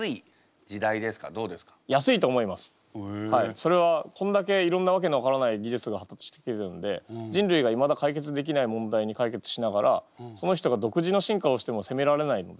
それはこんだけいろんなわけの分からない技術が発達してきてるんで人類がいまだ解決できない問題に解決しながらその人が独自の進化をしてもせめられないので。